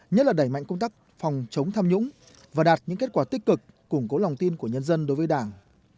nhất là đẩy mạnh công tác phòng chống tham nhũng và đạt những kết quả tích cực củng cố lòng tin của nhân dân đối với đảng